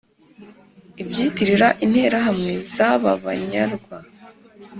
ibyitirira interahamwe z' ababnyarwa.